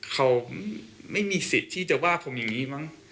เขาไม่มีสิทธิ์ที่จะว่าผมอย่างนี้มั้ง